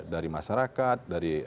dari masyarakat dari